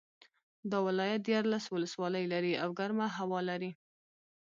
دا ولایت دیارلس ولسوالۍ لري او ګرمه هوا لري